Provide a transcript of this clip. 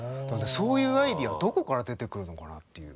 そういうアイデアどこから出てくるのかなっていう。